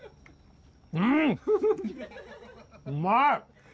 うんうまい！